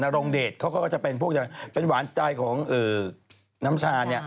นารงเดชเขาก็จะเป็นหวานใจของน้ำชา